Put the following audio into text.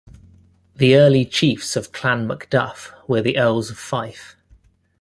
The early chiefs of Clan MacDuff were the Earls of Fife.